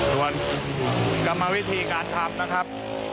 ส่วนกรรมวิธีการทำนะครับ